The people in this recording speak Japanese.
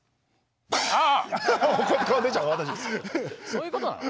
そういうことなの？